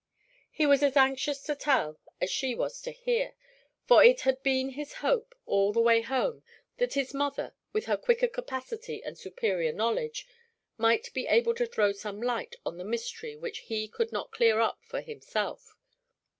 He was as anxious to tell as she was to hear; for it had been his hope, all the way home, that his mother, with her quicker capacity and superior knowledge, might be able to throw some light on the mystery which he could not clear up for himself.